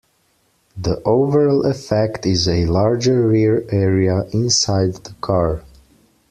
The overall effect is a larger rear area inside the car.